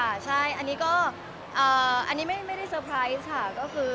ค่ะใช่อันนี้ก็เป็นแบบไม่แต่ตายตายค่ะ